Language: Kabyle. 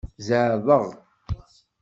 Zeɛḍeɣ.